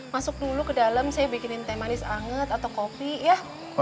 masuk dulu ke dalam saya bikinin teh manis anget atau kopi ya